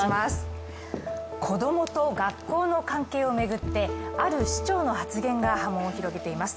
子供と学校の関係を巡ってある市長の発言が波紋を広げています。